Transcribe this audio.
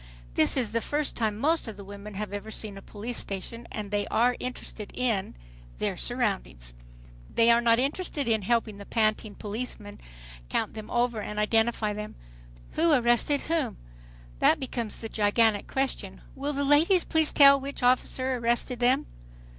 This is the first time most of the women have ever seen a police station, and they are interested in, their surroundings. They are not interested in helping the panting policeman count them over and identify them. Who arrested whom? That becomes the gigantic question. "Will the ladies please tell which officer arrested them?"